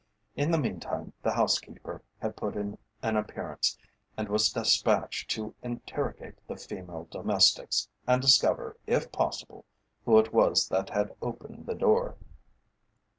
In the meantime the housekeeper had put in an appearance, and was despatched to interrogate the female domestics, and discover, if possible, who it was that had opened the door.